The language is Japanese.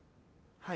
はい。